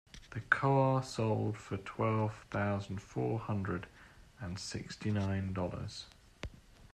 The car sold for twelve thousand four hundred and sixty nine dollars.